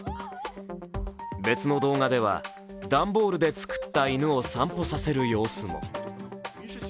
別の動画では、段ボールで作った犬を散歩させる様子も。